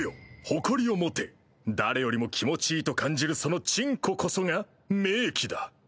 誇りを持て誰よりも気持ちいいと感じるそのチンコこそが名器だ」。